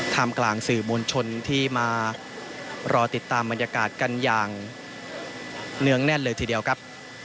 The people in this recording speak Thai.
ทำกลางสื่อมวลชนที่มารอติดตามบรรยากาศกันอย่างเนื่องแน่นเลยทีเดียวครับ